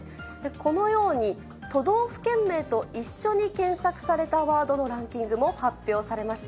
このように都道府県名と一緒に検索されたランキングも発表されました。